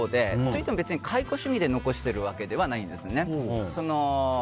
といっても、懐古趣味で残しているわけではないんですね。